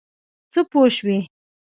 څه پوه شوې؟